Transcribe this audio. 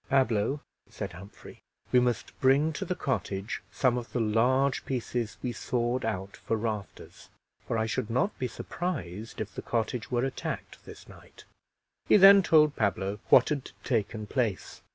"Pablo," said Humphrey, "we must bring to the cottage some of the large pieces we sawed out for rafters; for I should not be surprised if the cottage were attacked this night." He then told Pablo what had taken place.